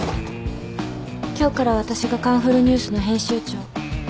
今日から私が『カンフルＮＥＷＳ』の編集長。